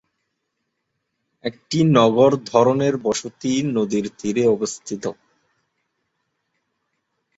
একটি নগর-ধরনের বসতি নদীর তীরে অবস্থিত।